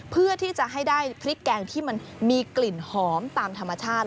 เพื่อที่จะให้ได้พริกแกงที่มันมีกลิ่นหอมตามธรรมชาติ